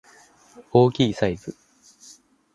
大きいサイズ